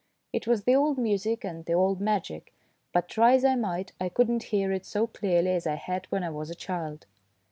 It was the old music and the old magic, but try as I might I could not hear it so clearly as I had when I was a child.